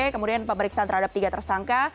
kemudian pemeriksaan terhadap tiga tersangka